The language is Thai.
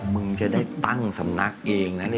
มึงจะได้ตั้งสำนักเองนะ